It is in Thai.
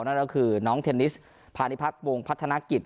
นั่นก็คือน้องเทนนิสพาณิพักษ์วงพัฒนากิจ